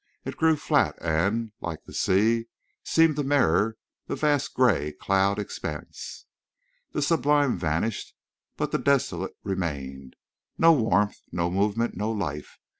It grew flat and, like the sea, seemed to mirror the vast gray cloud expanse. The sublime vanished, but the desolate remained. No warmth—no movement—no life!